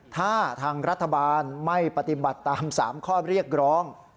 ถ้าทางรัฐบาลไม่ปฏิบัติตาม๓ข้อเรียกร้อง